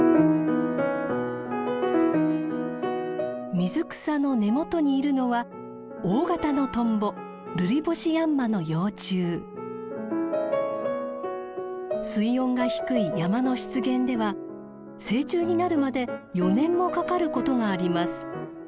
水草の根元にいるのは大型のトンボ水温が低い山の湿原では成虫になるまで４年もかかることがあります。